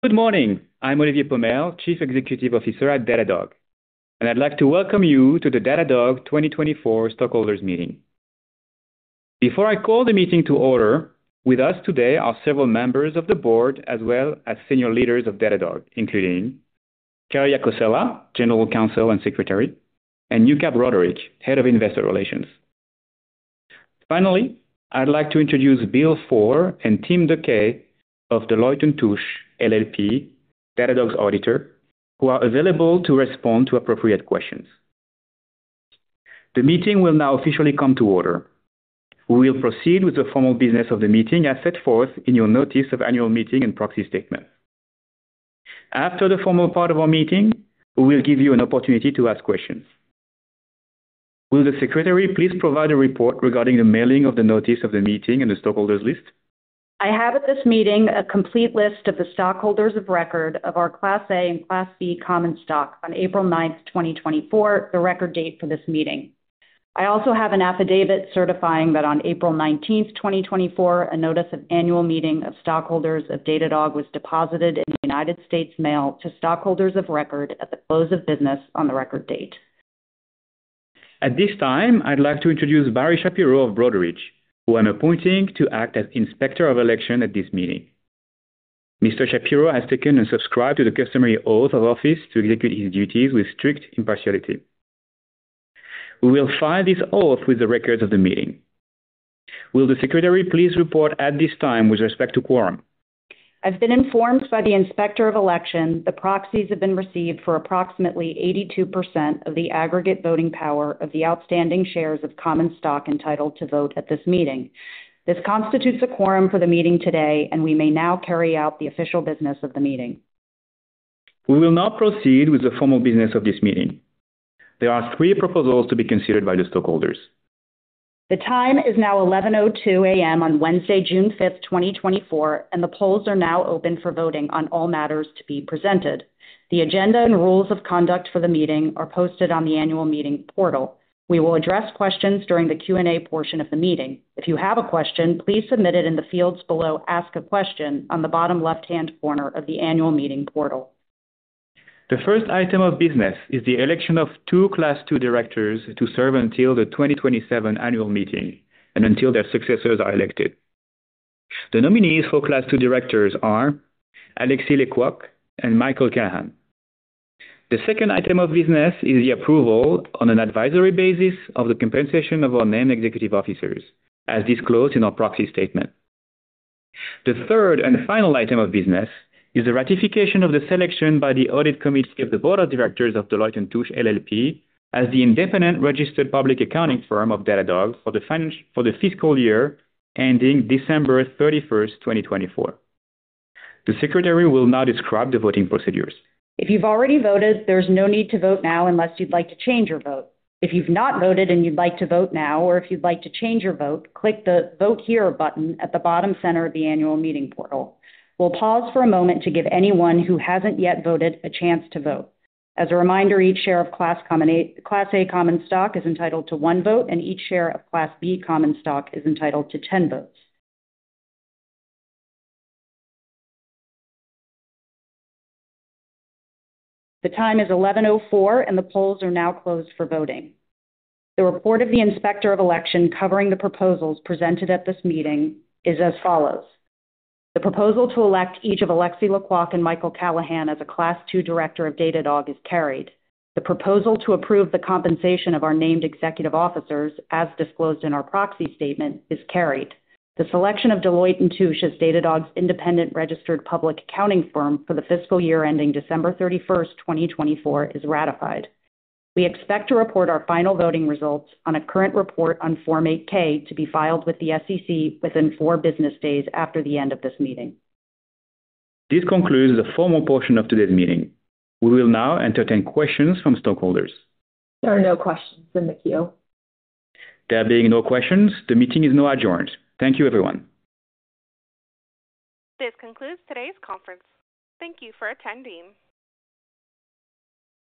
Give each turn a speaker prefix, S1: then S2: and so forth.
S1: Good morning. I'm Olivier Pomel, Chief Executive Officer at Datadog, and I'd like to welcome you to the Datadog 2024 Stockholders Meeting. Before I call the meeting to order, with us today are several members of the board, as well as senior leaders of Datadog, including Kerry Acocella, General Counsel and Secretary, and Yuka Broderick, Head of Investor Relations. Finally, I'd like to introduce Bill Farr and Tim DeKay of Deloitte & Touche LLP, Datadog's auditor, who are available to respond to appropriate questions. The meeting will now officially come to order. We will proceed with the formal business of the meeting as set forth in your notice of annual meeting and proxy statement. After the formal part of our meeting, we will give you an opportunity to ask questions. Will the secretary please provide a report regarding the mailing of the notice of the meeting and the stockholders list?
S2: I have at this meeting a complete list of the stockholders of record of our Class A and Class B common stock on April 9, 2024, the record date for this meeting. I also have an affidavit certifying that on April 19, 2024, a notice of annual meeting of stockholders of Datadog was deposited in the United States mail to stockholders of record at the close of business on the record date.
S1: At this time, I'd like to introduce Barry Shapiro of Broadridge, who I'm appointing to act as Inspector of Election at this meeting. Mr. Shapiro has taken and subscribed to the customary oath of office to execute his duties with strict impartiality. We will file this oath with the records of the meeting. Will the secretary please report at this time with respect to quorum?
S2: I've been informed by the Inspector of Election the proxies have been received for approximately 82% of the aggregate voting power of the outstanding shares of common stock entitled to vote at this meeting. This constitutes a quorum for the meeting today, and we may now carry out the official business of the meeting.
S1: We will now proceed with the formal business of this meeting. There are three proposals to be considered by the stockholders.
S2: The time is now 11:02 A.M. on Wednesday, June 5, 2024, and the polls are now open for voting on all matters to be presented. The agenda and rules of conduct for the meeting are posted on the Annual Meeting Portal. We will address questions during the Q&A portion of the meeting. If you have a question, please submit it in the fields below Ask a Question on the bottom left-hand corner of the annual meeting portal.
S1: The first item of business is the election of two Class II directors to serve until the 2027 annual meeting and until their successors are elected. The nominees for Class II directors are Alexis Lê-Quôc and Michael Callahan. The second item of business is the approval on an advisory basis of the compensation of our named executive officers, as disclosed in our proxy statement. The third and final item of business is the ratification of the selection by the Audit Committee of the Board of Directors of Deloitte & Touche LLP as the independent registered public accounting firm of Datadog for the fiscal year ending December 31, 2024. The secretary will now describe the voting procedures.
S2: If you've already voted, there's no need to vote now unless you'd like to change your vote. If you've not voted and you'd like to vote now, or if you'd like to change your vote, click the Vote Here button at the bottom center of the Annual Meeting Portal. We'll pause for a moment to give anyone who hasn't yet voted a chance to vote. As a reminder, each share of Class A common stock is entitled to one vote, and each share of Class B common stock is entitled to 10 votes. The time is 11:04 A.M., and the polls are now closed for voting. The report of the Inspector of Election covering the proposals presented at this meeting is as follows: The proposal to elect each of Alexis Lê-Quôc and Michael Callahan as a Class II Director of Datadog is carried. The proposal to approve the compensation of our named executive officers, as disclosed in our proxy statement, is carried. The selection of Deloitte & Touche as Datadog's independent registered public accounting firm for the fiscal year ending December 31st, 2024, is ratified. We expect to report our final voting results on a current report on Form 8-K, to be filed with the SEC within four business days after the end of this meeting.
S1: This concludes the formal portion of today's meeting. We will now entertain questions from stockholders.
S2: There are no questions in the queue.
S1: There being no questions, the meeting is now adjourned. Thank you, everyone.
S3: This concludes today's conference. Thank you for attending.